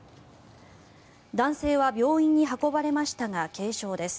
男性は病院に運ばれましたが軽傷です。